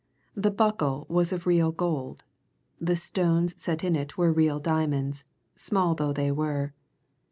The buckle was of real gold; the stones set in it were real diamonds, small though they were.